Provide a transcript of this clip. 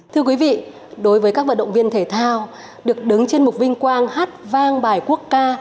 thưa quý vị đối với các vận động viên thể thao được đứng trên một vinh quang hát vang bài quốc ca